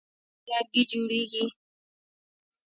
مېز له لرګي جوړېږي.